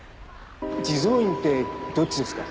地蔵院ってどっちですか？